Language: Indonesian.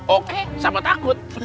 oke sama takut